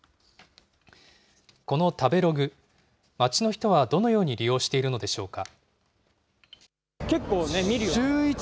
この食べログ、街の人はどのように利用しているのでしょうか。